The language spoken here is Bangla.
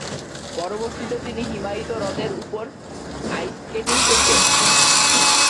পরবর্তীতে তিনি হিমায়িত হ্রদের উপর আইস স্কেটিং করতেন।